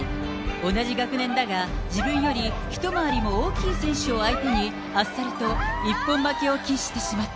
同じ学年だが、自分より一回りも大きい選手を相手に、あっさりと一本負けを喫してしまった。